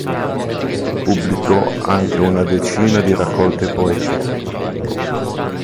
Pubblicò anche una decina di raccolte poetiche.